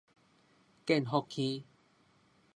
建福坑